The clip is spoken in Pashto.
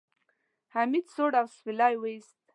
حميد سوړ اسويلی وېست.